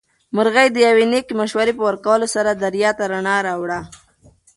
مرغۍ د یوې نېکې مشورې په ورکولو سره دربار ته رڼا راوړه.